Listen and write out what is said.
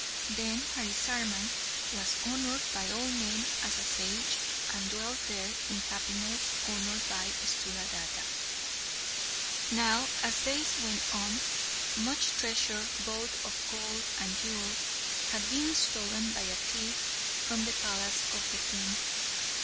Then Harisarman was honoured by all men as a sage, and dwelt there in happiness, honoured by Sthuladatta. Now, as days went on, much treasure, both of gold and jewels, had been stolen by a thief from the palace of the king.